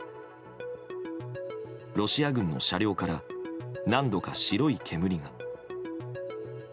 ロシア軍の車両から何度か、白い煙が。